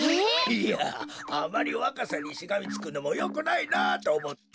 いやあまりわかさにしがみつくのもよくないなっとおもって。